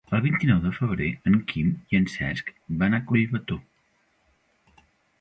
El vint-i-nou de febrer en Quim i en Cesc van a Collbató.